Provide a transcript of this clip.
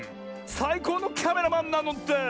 さいこうのキャメラマンなのです！